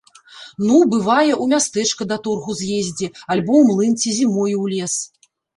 Ну, бывае, у мястэчка да торгу з'ездзі, альбо ў млын ці зімою ў лес.